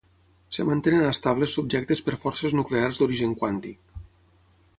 Es mantenen estables subjectes per forces nuclears d'origen quàntic.